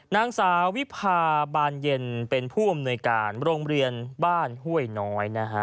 นางสาววิพาบานเย็นเป็นผู้อำนวยการโรงเรียนบ้านห้วยน้อยนะฮะ